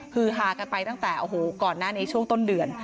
คือฮากันไปตั้งแต่ก่อนหน้านี้ช่วงต้นเดือน